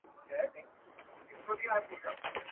زه د ابۍ مزدوره، ابۍ د کلي.